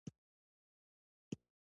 د اخلاص ادبي او فلسفي رنګ